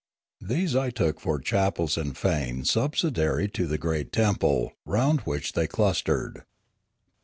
These I took for chapels and fanes subsidiary to the great temple, round which they clustered.